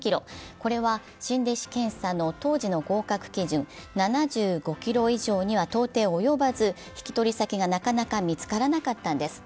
これは新弟子検査の当時の合格基準、７５ｋｇ以上には到底及ばず引き取り先がなかなか見つからなかったんです。